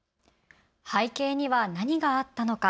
背景には何があったのか。